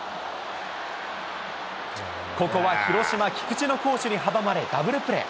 ここは広島、菊池の好守にはばまれ、ダブルプレー。